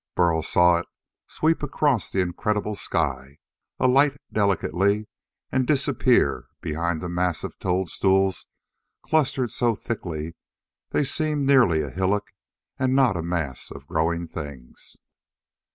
Burl saw it sweep across the incredible sky, alight delicately, and disappear behind a mass of toadstools clustered so thickly they seemed nearly a hillock and not a mass of growing things.